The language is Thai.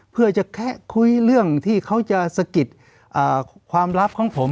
เพื่อจะแคะคุยเรื่องที่เขาจะสะกิดความลับของผม